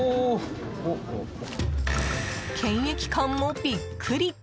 検疫官もビックリ！